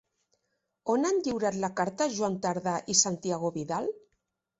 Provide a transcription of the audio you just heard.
On han lliurat la carta Joan Tardà i Santiago Vidal?